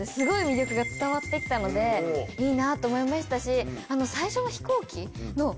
いいなぁと思いましたし。